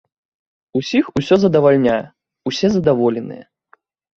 Усіх усё задавальняе, усе задаволеныя.